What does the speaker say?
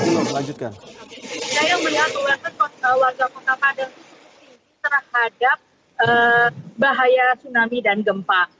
saya melihat warga kota padang itu terhadap bahaya tsunami dan gempa